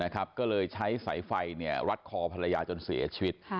ก็เลยใช้สายไฟรัดคอภรรยาจนเสียชีวิต